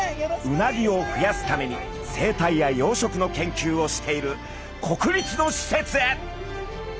うなぎを増やすために生態や養殖の研究をしている国立のしせつへ！